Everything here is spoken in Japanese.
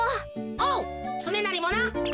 おうつねなりもな。